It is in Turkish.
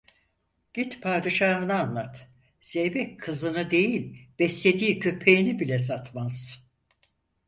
Git padişahına anlat; zeybek kızını değil, beslediği köpeğini bile satmaz.